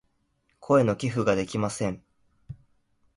声の寄付ができません。